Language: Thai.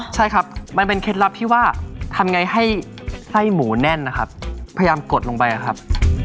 ใช่ครับมันเป็นเคล็ดลับที่ว่าทำไงให้ไส้หมูแน่นนะครับพยายามกดลงไปครับ